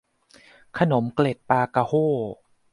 ขนมเกล็ดปลากะโห้